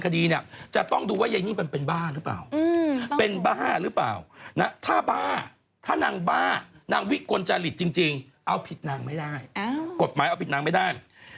กฎหมายเอาผิดนางไม่ได้